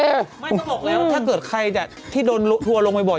ไม่ก็บอกแล้วถ้าเกิดใครที่โดนทัวลลงไปบ่อย